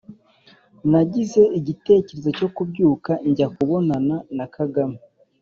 nagize igitekerezo cyo kubyuka njya kubonana na kagame